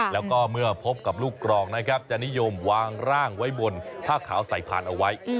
แล้วก็เมื่อพบกับลูกกรองนะครับจะนิยมวางร่างไว้บนผ้าขาวใส่พานเอาไว้